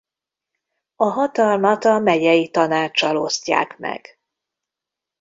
A hatalmat a megyei tanáccsal osztják meg.